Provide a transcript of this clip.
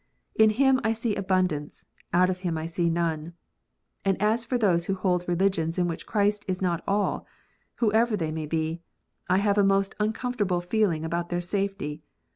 In Him I see abundance : out of Him I see none. And as for those who hold religions in which Christ is not all, whoever they may be, I have a most uncomfortable feel ing about their safety.